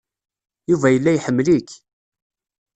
Yuba yella iḥemmel-ik.